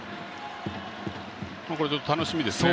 楽しみですね